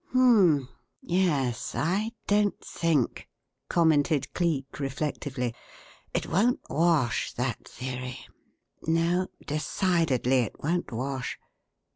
"H'm! Yes! I don't think," commented Cleek reflectively. "It won't wash, that theory; no, decidedly it won't wash.